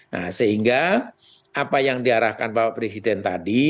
nah sehingga apa yang diarahkan bapak presiden tadi